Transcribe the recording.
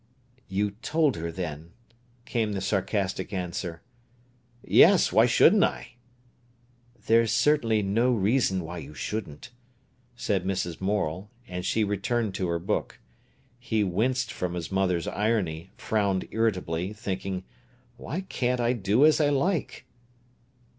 "You told her, then?" came the sarcastic answer. "Yes; why shouldn't I?" "There's certainly no reason why you shouldn't," said Mrs. Morel, and she returned to her book. He winced from his mother's irony, frowned irritably, thinking: "Why can't I do as I like?"